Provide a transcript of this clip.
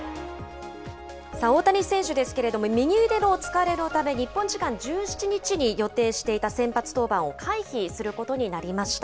大谷選手ですけれども、右腕の疲れのため、日本時間の１７日に予定していた先発登板を回避することになりました。